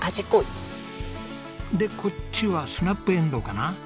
でこっちはスナップエンドウかな？